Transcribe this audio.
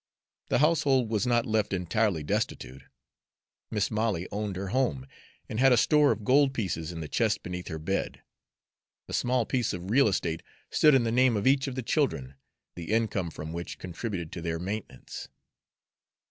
The household was not left entirely destitute. Mis' Molly owned her home, and had a store of gold pieces in the chest beneath her bed. A small piece of real estate stood in the name of each of the children, the income from which contributed to their maintenance.